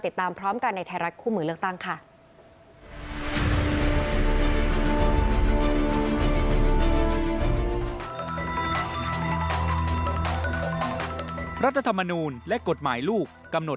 ติดตามพร้อมกันในไทยรัฐคู่มือเลือกตั้งค่ะ